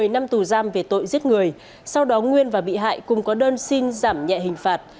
một mươi năm tù giam về tội giết người sau đó nguyên và bị hại cùng có đơn xin giảm nhẹ hình phạt